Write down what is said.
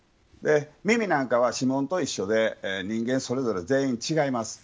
耳なんかは、指紋と一緒で人間それぞれ全員違います。